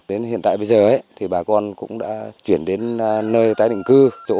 đến hiện tại bây giờ thì bà con cũng đã chuyển đến nơi tái định cư